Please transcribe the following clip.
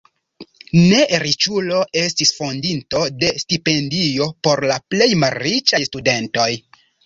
Ne riĉulo estis fondinto de stipendio por la plej malriĉaj studentoj.